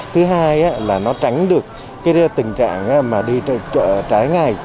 thứ hai là nó tránh được tình trạng đi chợ trái ngày